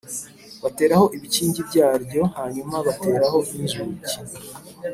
bateraho ibikingi byaryo hanyuma bateraho n inzugi